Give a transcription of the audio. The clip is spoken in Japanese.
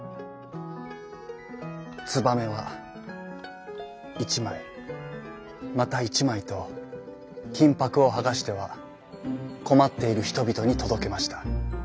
ツバメは１まいまた１まいときんぱくをはがしてはこまっているひとびとにとどけました。